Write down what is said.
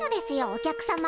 お客様。